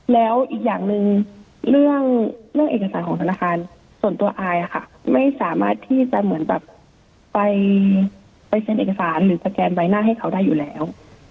แล้วอีกอย่างหนึ่งเรื่องเอกสารของธนาคารส่วนตัวอายค่ะไม่สามารถที่จะเหมือนแบบไปเซ็นเอกสารหรือสแกนใบหน้าให้เขาได้อยู่แล้ว